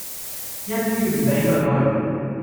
一於唔畀佢去